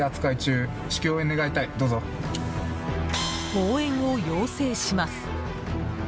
応援を要請します。